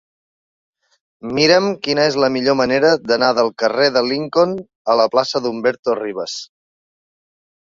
Mira'm quina és la millor manera d'anar del carrer de Lincoln a la plaça d'Humberto Rivas.